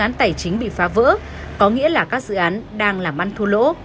tại vì phương án tài chính bị phá vỡ có nghĩa là các dự án đang làm ăn thu lỗ